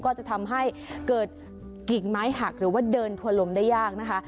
ก็จะทำให้เกิดกิ่งไม้หักหรือว่าเดินทัวร์ลมได้ยากนะคะ